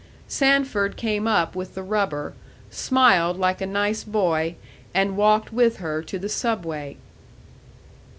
Sanford came up with the rubber, smiled like a nice boy, and walked with her to the Subway.